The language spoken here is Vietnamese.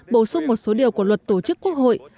bổ sung một số điều của luật tổ chức quốc hội